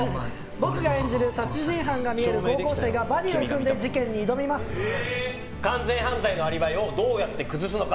僕が演じる殺人犯が見える高校生が完全犯罪のアリバイをどうやって崩すのか？